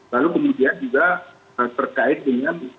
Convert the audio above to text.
lalu kemudian juga terkait dengan